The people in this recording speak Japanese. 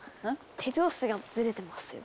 手拍子がずれてますよ。